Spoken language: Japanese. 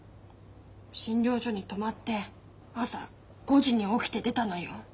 診療所に泊まって朝５時に起きて出たのよ。